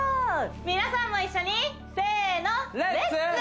皆さんも一緒にせーのレッツ！